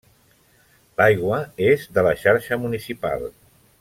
L’aigua és de la xarxa municipal.